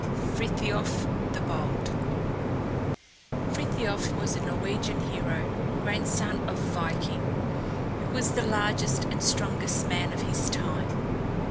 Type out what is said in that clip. FRITHIOF THE BOLD Frithiof was a Norwegian hero, grandson of Viking, who was the largest and strongest man of his time.